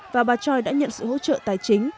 và bà choi đã nhận sự hỗ trợ tài chính